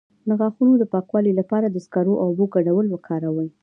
د غاښونو د پاکوالي لپاره د سکرو او اوبو ګډول وکاروئ